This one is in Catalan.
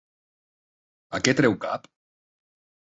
A què treu cap?